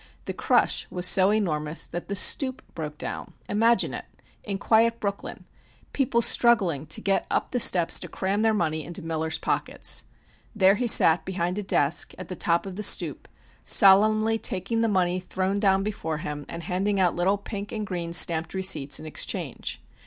The crush was so enormous that the stoop broke down. Imagine it! In quiet Brooklyn! People struggling to get up the steps to cram their money into Miller's pockets! There he sat, behind a desk, at the top of the stoop, solemnly taking the money thrown down before him and handing out little pink and green stamped receipts in exchange.